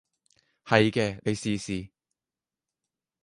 係嘅，你試試